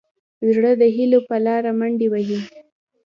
زړه د هيلو په لاره منډې وهي.